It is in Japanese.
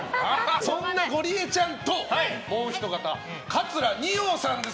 そんなゴリエちゃんともうひと方桂二葉さんです